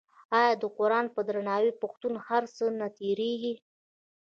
آیا د قران په درناوي پښتون له هر څه نه تیریږي؟